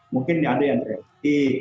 mungkin ada yang rapid